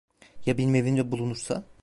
Ya benim evimde bulunursa?